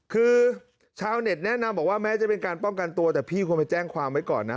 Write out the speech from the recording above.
คือชาวเน็ตแนะนำบอกว่าแม้จะเป็นการป้องกันตัวแต่พี่คงไปแจ้งความไว้ก่อนนะ